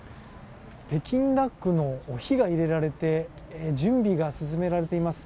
北京ダックの火が入れられて準備が進められています。